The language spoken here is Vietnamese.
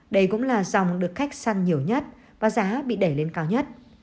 đây cũng là dòng được khách săn nhiều nhất và giá bị đẩy lên cao nhất